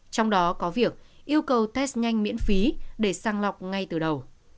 trong đó có việc yêu cầu test nhanh miễn phí để sang lọc ngay từ đầu